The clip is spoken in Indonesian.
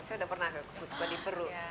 saya udah pernah ke kusko di peru